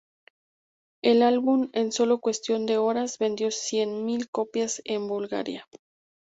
El álbum, en solo cuestión de horas, vendió cien mil copias en Bulgaria.